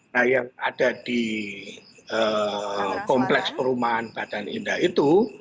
nah yang ada di kompleks perumahan badan indah itu